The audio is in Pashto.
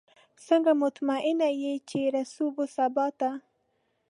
څنګه مطمئنه یې چې رسو به سباته؟